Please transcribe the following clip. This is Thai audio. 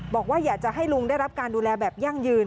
บอกว่าอยากจะให้ลุงได้รับการดูแลแบบยั่งยืน